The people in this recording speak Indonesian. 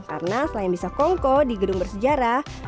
karena selain bisa kongko di gedung bersejarah